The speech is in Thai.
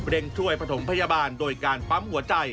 เร่งช่วยปฐมพยาบาลโดยการปั๊มหัวใจ